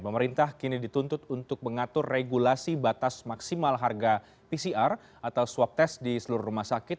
pemerintah kini dituntut untuk mengatur regulasi batas maksimal harga pcr atau swab test di seluruh rumah sakit